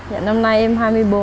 dạ năm nay em hai mươi bốn